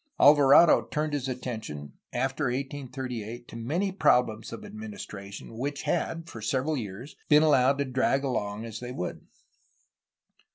Alvarado turned his atten tion after 1838 to many problems of administration which had for several years been allowed to drag along as they would.